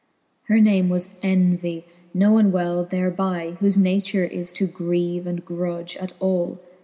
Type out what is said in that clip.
XXXL Her name was Envie^ knowcn well thereby j Whofe nature is to grieve, and grudge at all.